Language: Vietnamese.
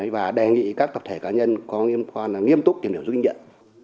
và đề nghị các tập thể cá nhân có liên quan là nghiêm túc kiểm điểm giúp kinh nhận